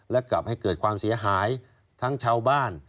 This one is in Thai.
และกลับให้เกิดความเสียหายทั้งชาวบ้าน